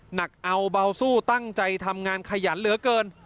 หนักเอาเบาสู้ตั้งใจทำงานขยันเหลือเกิน